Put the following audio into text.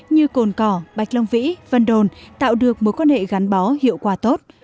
như cồn cỏ bạch long vĩ vân đồn tạo được mối quan hệ gắn bó hiệu quả tốt